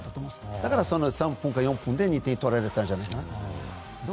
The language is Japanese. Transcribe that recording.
だから、３分か４分で２点取られたんじゃないかと。